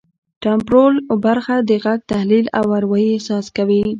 ټمپورل برخه د غږ تحلیل او اروايي احساس کوي